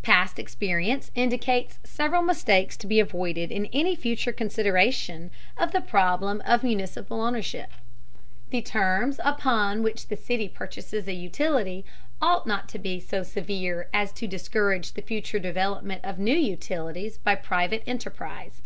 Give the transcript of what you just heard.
Past experience indicates several mistakes to be avoided in any future consideration of the problem of municipal ownership. The terms upon which the city purchases a utility ought not to be so severe as to discourage the future development of new utilities by private enterprise.